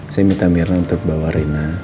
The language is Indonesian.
saya minta mirna untuk bawa rena